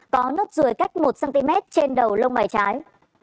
có nốt ruồi cách một cm trên đầu lông mày trái